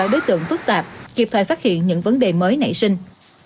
sáu đối tượng phức tạp kịp thời phát hiện những vấn đề mới nảy sinh